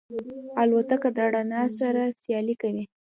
الوتکه د رڼا سره سیالي کوي.